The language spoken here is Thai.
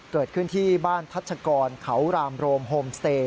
เกิดขึ้นที่บ้านทัชกรเขารามโรมโฮมสเตย์